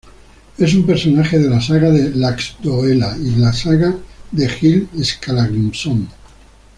Es un personaje de la "Saga de Laxdœla", y "saga de Egil Skallagrímson".